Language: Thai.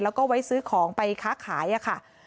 แล้วก็ไว้ซื้อของไปค้าขายค่ะ